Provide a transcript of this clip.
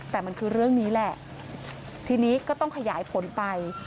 แต่มันคือเรื่องนี้แหละทีนี้ก็ต้องขยายผลไป